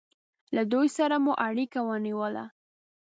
له دوی سره مو اړیکه ونیوله.